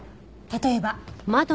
例えば。